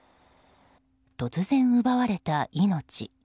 突然奪われた命。